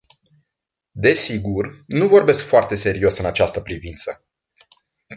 Desigur, nu vorbesc foarte serios în această privință.